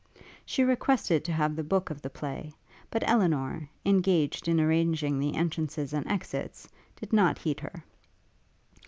She requested to have the book of the play; but Elinor, engaged in arranging the entrances and exits, did not heed her.